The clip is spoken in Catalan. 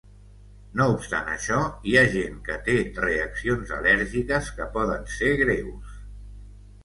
No obstant això, hi ha gent que té reaccions al·lèrgiques que poden ser greus.